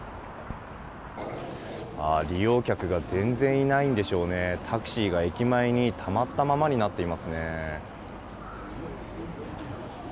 利用客が全然いないんでしょうね、タクシーが駅前にたまったままになっていますね。